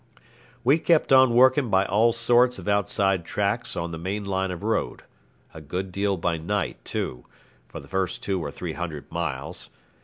We kept on working by all sorts of outside tracks on the main line of road a good deal by night, too for the first two or three hundred miles.